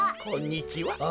こんにちは。